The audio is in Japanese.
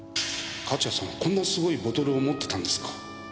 勝谷さんはこんなすごいボトルを持ってたんですか。